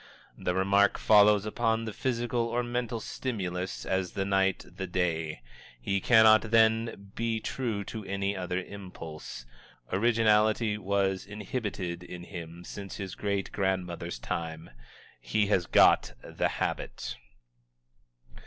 The remark follows upon the physical or mental stimulus as the night the day; he cannot, then, be true to any other impulse. Originality was inhibited in him since his great grandmother's time. He has "got the habit."